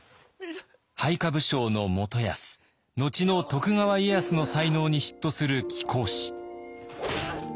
配下武将の元康後の徳川家康の才能に嫉妬する貴公子。